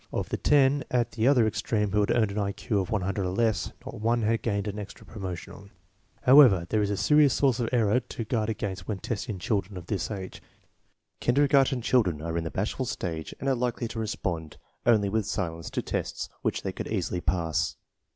Of the ten at the other extreme who had earned an I Q of 100 or less, not one had gained an extra promotion. However, there is a serious source of error to guard against when testing children of this age. Kinder garten children are in the bashful stage and are likely to respond only with silence to tests which they could easily pass.